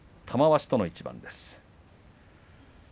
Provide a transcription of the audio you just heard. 玉鷲との一番です。